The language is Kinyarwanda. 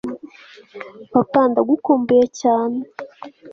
papa ndagukumbuye cyane